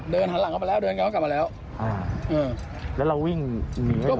เดินหันหลังเขาไปแล้วเดินกันเขากลับมาแล้วอ่าอืมแล้วเราวิ่งเหนียวใช่ไหม